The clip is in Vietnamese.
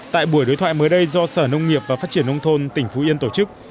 tại buổi đối thoại mới đây do sở nông nghiệp và phát triển nông thôn tỉnh phú yên tổ chức